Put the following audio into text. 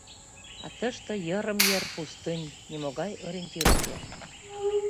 А тыште йырым-йыр пустынь — нимогай ориентир уке.